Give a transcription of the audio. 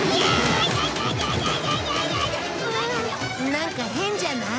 なんか変じゃない？